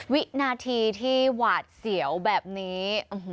วินาทีที่หวาดเสียวแบบนี้